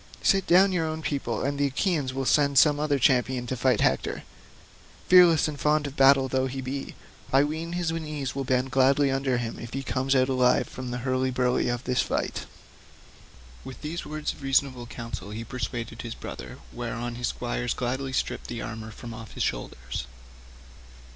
Sit down your own people, and the Achaeans will send some other champion to fight Hector; fearless and fond of battle though he be, I ween his knees will bend gladly under him if he comes out alive from the hurly burly of this fight." With these words of reasonable counsel he persuaded his brother, whereon his squires gladly stripped the armour from off his shoulders.